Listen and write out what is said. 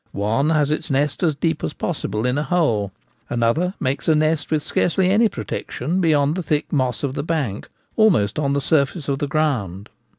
One has its nest as deep as possible in a hole ; another makes a nest with scarcely any protection beyond the thick moss of the bank, almost on the surface of the ground.